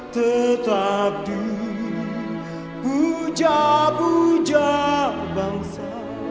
tetap dipuja puja bangsa